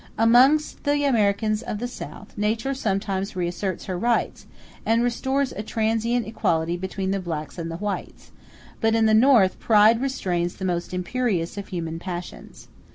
Amongst the Americans of the South, nature sometimes reasserts her rights, and restores a transient equality between the blacks and the whites; but in the North pride restrains the most imperious of human passions.